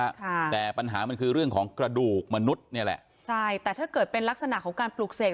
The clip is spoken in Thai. ค่ะแต่ปัญหามันคือเรื่องของกระดูกมนุษย์เนี่ยแหละใช่แต่ถ้าเกิดเป็นลักษณะของการปลูกเสก